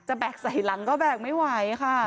แบกใส่หลังก็แบกไม่ไหวค่ะ